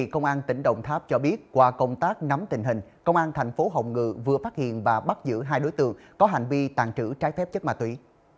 công an tỉnh đồng tháp cho biết qua công tác nắm tình hình công an thành phố hồng ngự vừa phát hiện và bắt giữ hai đối tượng có hành vi tàn trữ trái phép chất ma túy